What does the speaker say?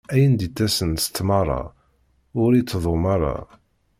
Ayen d-ittasen s tmara, ur ittdum ara.